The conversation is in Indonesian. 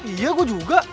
iya gue juga